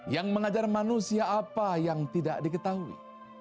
yang mengajar manusia apa yang tidak diketahui